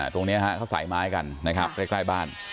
ตรงนี้เขาใส่ไม้กันนะครับใกล้บ้าน